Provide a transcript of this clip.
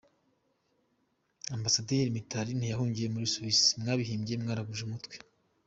-Ambassador Mitali ntiyahungiye muri Suisse, mwabihimbye, mwaraguje umutwe.